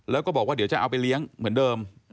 แล้วก็บอกว่าเดี๋ยวจะเอาไปเลี้ยงเหมือนเดิม